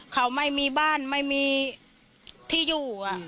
เขาไม่มีบ้านไม่มีที่อยู่